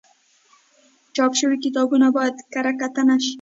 چاپ شوي کتابونه باید کره کتنه شي.